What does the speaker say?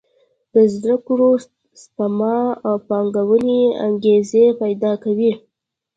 د زده کړو، سپما او پانګونې انګېزې پېدا کوي.